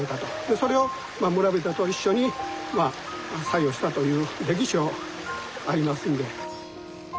それを村人と一緒に作業したという歴史がありますんで。